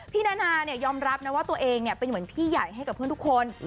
พี่นานะเนี่ยยอมรับนะว่าตัวเองเนี่ยเป็นเหมือนพี่ใหญ่ให้กับเพื่อนทุกคน